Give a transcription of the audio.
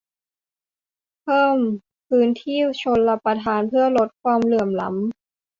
เพิ่มพื้นที่ชลประทานเพื่อลดความเหลื่อมล้ำ